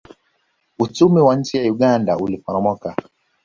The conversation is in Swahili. uchumi wa nchi ya uganda uliporomoka